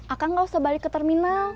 akan gak usah balik ke terminal